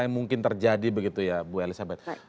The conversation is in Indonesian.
yang mungkin terjadi begitu ya bu elizabeth